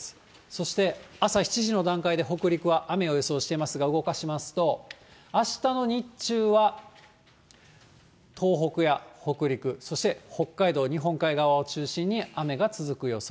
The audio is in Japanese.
そして朝７時の段階で北陸は雨を予想していますが、動かしますと、あしたの日中は、東北や北陸、そして北海道日本海側を中心に雨が続く予想。